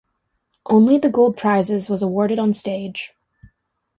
Only the Gold Prizes was awarded on stage.